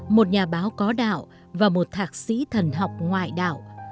một nhà báo có đạo và một thạc sĩ thần học ngoại đạo